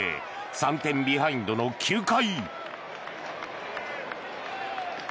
３点ビハインドの９回。